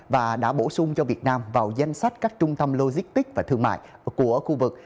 và đã bổ sung cho việt nam vào danh sách các trung tâm logistics và thương mại của khu vực